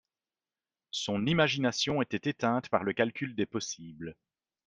Son imagination était éteinte par le calcul des possibles.